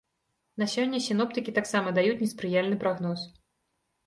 На сёння сіноптыкі таксама даюць неспрыяльны прагноз.